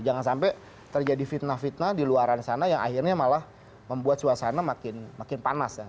jangan sampai terjadi fitnah fitnah di luar sana yang akhirnya malah membuat suasana makin panas ya